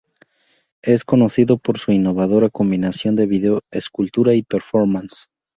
Es conocido por su innovadora combinación de vídeo, escultura y performance.